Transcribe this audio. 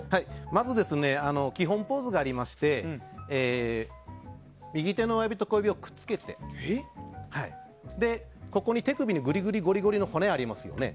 まず、基本ポーズがありまして右手の親指と小指をくっつけて手首にゴリゴリの骨がありますよね。